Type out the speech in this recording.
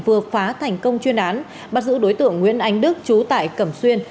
vừa phá thành công chuyên án bắt giữ đối tượng nguyễn anh đức trú tại cẩm xuyên